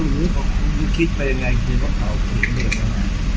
คุณคิดไปยังไงคิดว่าเขาขึ้นเมตรมา